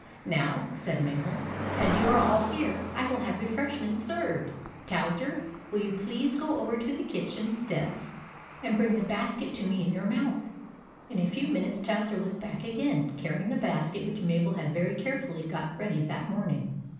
" Now," said Mabel, " as you 're all here, I will have refreshments served. Towser, will you please go over to the kitchen steps and bring the basket to me in your mouth ?" In a few minutes Towser was back again, carrying the basket which Mabel had very carefully got ready that morning.